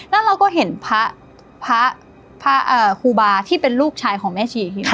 แล้วเราก็เห็นพระครูบาที่เป็นลูกชายของแม่ชี